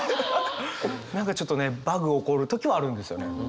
何かちょっとねバグ起こる時はあるんですよね。